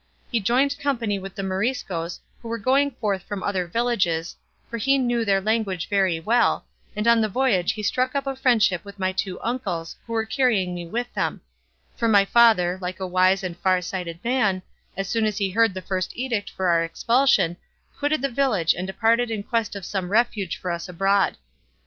He joined company with the Moriscoes who were going forth from other villages, for he knew their language very well, and on the voyage he struck up a friendship with my two uncles who were carrying me with them; for my father, like a wise and far sighted man, as soon as he heard the first edict for our expulsion, quitted the village and departed in quest of some refuge for us abroad.